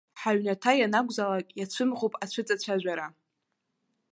Ҳаҩнаҭа ианакәзаалак иацәымӷуп ацәыҵацәажәара.